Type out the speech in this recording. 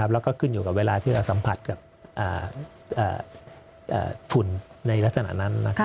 แล้วก็ขึ้นอยู่กับเวลาที่เราสัมผัสกับทุนในลักษณะนั้น